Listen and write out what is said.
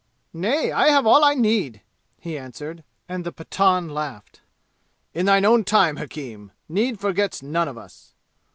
"Nay, I have all I need!" he answered, and the Pathan laughed. "In thine own time, hakim! Need forgets none of us!"